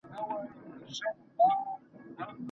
ښوونکي د زده کوونکو د لیکلو مهارت ارزیابي کوي.